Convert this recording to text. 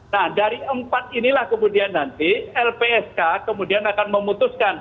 nah dari empat inilah kemudian nanti lpsk kemudian akan memutuskan